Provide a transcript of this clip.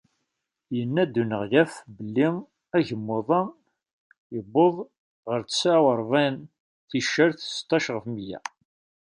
Yenna-d uneɣlaf belli agemmuḍ-a yewweḍ ɣer tesεa u εebεin ticcert seṭṭac ɣef mya.